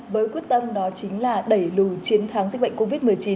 với quyết tâm đó chính là đẩy lùi chiến thắng dịch bệnh covid một mươi chín